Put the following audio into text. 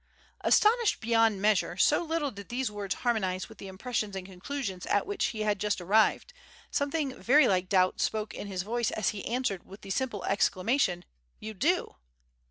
Astonished beyond measure, so little did these words harmonize with the impressions and conclusions at which he had just arrived, something very like doubt spoke in his voice as he answered with the simple exclamation: "You do!"